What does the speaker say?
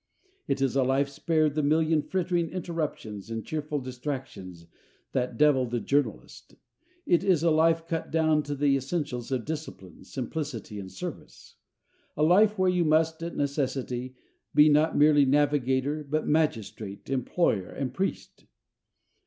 It is a life spared the million frittering interruptions and cheerful distractions that devil the journalist; it is a life cut down to the essentials of discipline, simplicity, and service; a life where you must, at necessity, be not merely navigator but magistrate, employer, and priest.